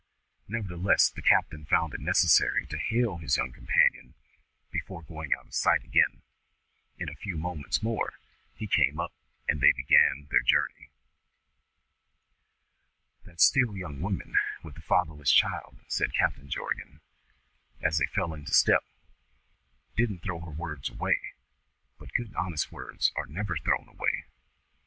Nevertheless the captain found it necessary to hail his young companion before going out of sight again. In a few moments more he came up and they began their journey. "That still young woman with the fatherless child," said Captain Jorgan, as they fell into step, "didn't throw her words away; but good honest words are never thrown away.